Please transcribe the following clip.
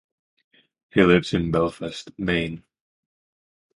He lives in Belfast, Maine.